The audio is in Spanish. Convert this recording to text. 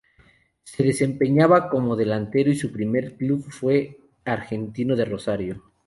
Se desempeñaba como delantero y su primer club fue Argentino de Rosario.